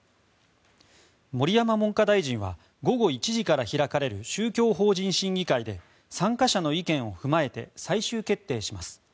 盛山文科大臣は午後１時から開かれる宗教法人審議会で参加者の意見を踏まえて最終決定します。